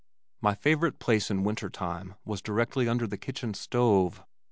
My favorite place in winter time was directly under the kitchen stove.